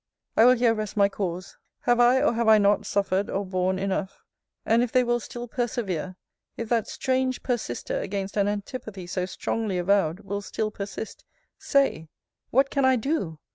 I will here rest my cause. Have I, or have I not, suffered or borne enough? And if they will still persevere; if that strange persister against an antipathy so strongly avowed, will still persist; say, What can I do?